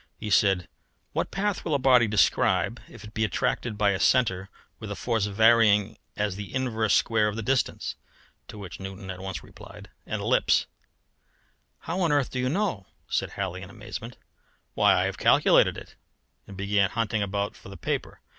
He said, "What path will a body describe if it be attracted by a centre with a force varying as the inverse square of the distance." To which Newton at once replied, "An ellipse." "How on earth do you know?" said Halley in amazement. "Why, I have calculated it," and began hunting about for the paper.